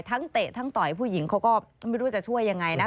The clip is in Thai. เตะทั้งต่อยผู้หญิงเขาก็ไม่รู้จะช่วยยังไงนะ